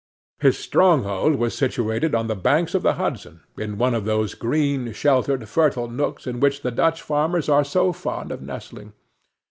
His stronghold was situated on the banks of the Hudson, in one of those green, sheltered, fertile nooks in which the Dutch farmers are so fond of nestling.